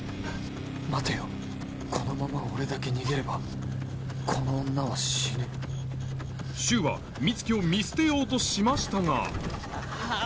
待てよこのまま俺だけ逃げればこの女は死ぬ柊は美月を見捨てようとしましたがああ